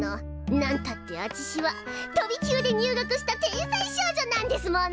なんたってあちしは飛び級で入学した天才少女なんですもの！